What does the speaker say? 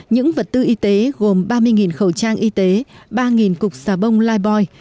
những vật tư y tế gồm ba mươi khẩu trang y tế ba cục xà bông lai boy